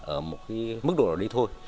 ở một cái mức độ này thôi